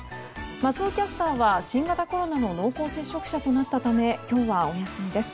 松尾キャスターは新型コロナの濃厚接触者となったため今日はお休みです。